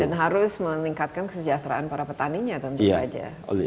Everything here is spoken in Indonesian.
dan harus meningkatkan kesejahteraan para petaninya tentu saja